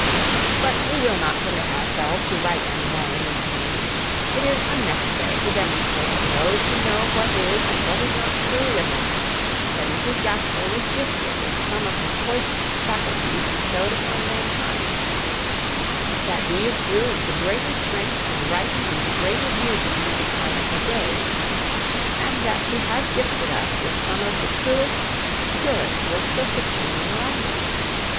But we will not permit ourselves to write any more in this vein. It is unnecessary to demonstrate to those who know what is and what is not true literature that Mrs. Gaskell was gifted with some of the choicest faculties bestowed upon mankind; that these grew into greater strength and ripened into greater beauty in the decline of her days; and that she has gifted us with some of the truest, purest works of fiction in the language.